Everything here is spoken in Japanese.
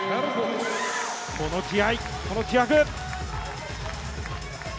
この気合い、この気迫！